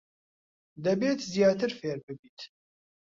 دەبێت زیاتر فێر ببیت.